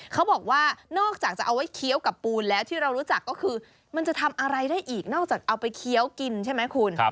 เขาบอกว่านอกจากจะเอาไว้เคี้ยวกับปูนแล้วที่เรารู้จักก็คือมันจะทำอะไรได้อีกนอกจากเอาไปเคี้ยวกินใช่ไหมคุณ